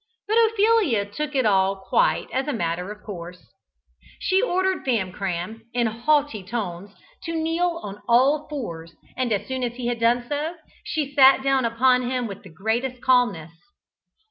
But Ophelia took it all quite as a matter of course. She ordered Famcram, in haughty tones, to kneel on all fours, and as soon as he had done so, she sat down upon him with the greatest calmness.